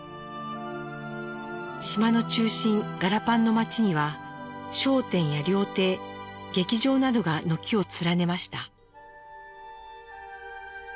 島の中心ガラパンの街には商店や料亭劇場などが軒を連ねました。